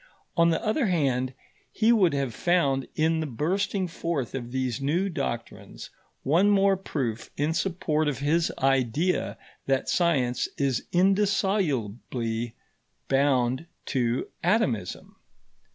On the other hand, he would have found in the bursting forth of these new doctrines one more proof in support of his idea that science is indissolubly bound to atomism.